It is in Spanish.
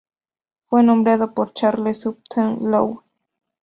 Fue nombrado por Charles Upton Lowe.